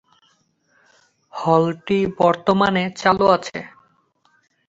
হলটি বর্তমানে চালু আছে।